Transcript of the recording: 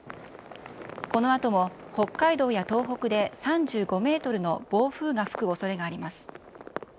このあとも北海道や東北で３５メートルの暴風が吹くおそれがあります。